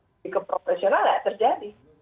jadi ke profesional ya terjadi